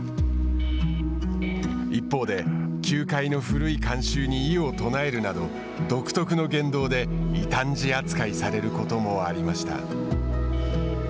一方で、球界の古い慣習に異を唱えるなど独自の言動で異端児扱いされることもありました。